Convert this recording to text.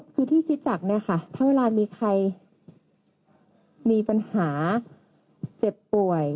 คือที่คิดจากเนี่ยค่ะถ้าเวลามีใครมีปัญหาเจ็บป่วย